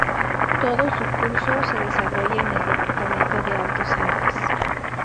Todo su curso se desarrolla en el departamento de Altos Alpes.